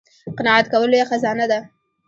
قناعت کول لویه خزانه ده